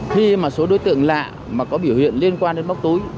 khi mà số đối tượng lạ mà có biểu hiện liên quan đến móc túi